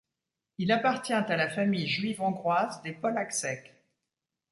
Il appartient à la famille juive hongroise des Pollacsek.